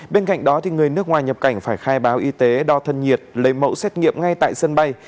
bên cạnh đó người nước ngoài nhập cảnh phải khai báo y tế đo thân nhiệt lấy mẫu xét nghiệm ngay tại sân bay